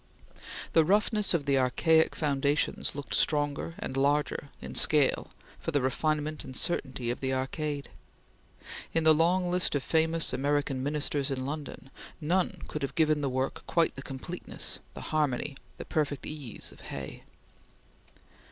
The roughness of the archaic foundations looked stronger and larger in scale for the refinement and certainty of the arcade. In the long list of famous American Ministers in London, none could have given the work quite the completeness, the harmony, the perfect ease of Hay.